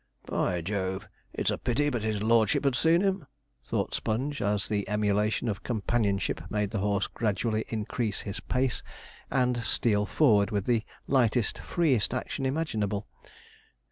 'By Jove! it's a pity but his lordship had seen him,' thought Sponge, as the emulation of companionship made the horse gradually increase his pace, and steal forward with the lightest, freest action imaginable.